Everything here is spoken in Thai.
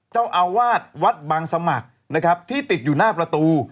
เจ้าอาวาสวัดบางสมัครนะครับที่ติดอยู่หน้าประตู